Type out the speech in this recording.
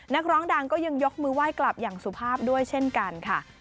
นักร้องดังก็ยังยกมือไหว้กลับอย่างสุภาพด้วยเช่นกันค่ะ